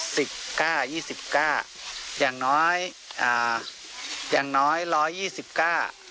สิบเก้ายี่สิบเก้าอย่างน้อยอ่าอย่างน้อยร้อยยี่สิบเก้า